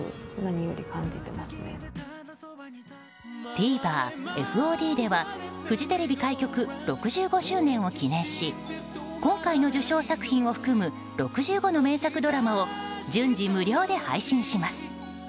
ＴＶｅｒ、ＦＯＤではフジテレビ開局６５周年を記念し今回の受賞作品を含む６５の名作ドラマを順次、無料で配信します。